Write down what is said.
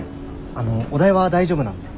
あのお代は大丈夫なので。